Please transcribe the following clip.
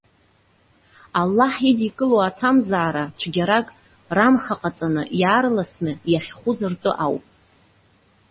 Аллаҳ идикыло аҭамзаара, цәгьарак рамхаҟаҵаны иаарласны иахьхәыз ртәы ауп.